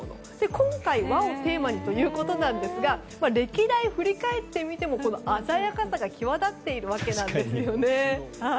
今回、和をテーマにということなんですが歴代を振り返ってみても鮮やかさが際立っているわけです。